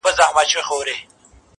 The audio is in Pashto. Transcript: هغومره قدر یې نکیږې